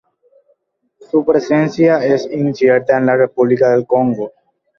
Su presencia es incierta en la República del Congo.